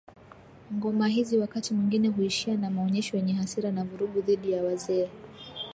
Ngoma hizi wakati mwingine huishia na maonyesho yenye hasira na vurugu dhidi ya wazee